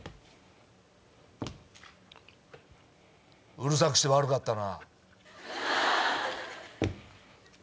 うるさくして悪かったな。